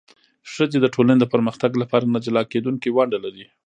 ښځې د ټولنې د پرمختګ لپاره نه جلا کېدونکې ونډه لري.